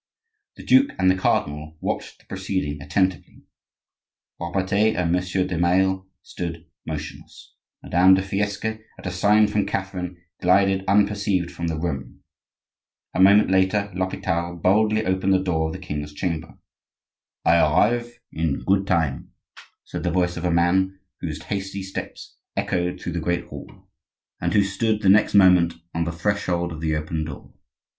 The duke and the cardinal watched the proceeding attentively. Robertet and Monsieur de Maille stood motionless. Madame de Fiesque, at a sign from Catherine, glided unperceived from the room. A moment later l'Hopital boldly opened the door of the king's chamber. "I arrive in good time," said the voice of a man whose hasty steps echoed through the great hall, and who stood the next moment on the threshold of the open door.